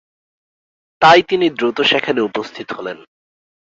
তাই তিনি দ্রুত সেখানে উপস্থিত হলেন।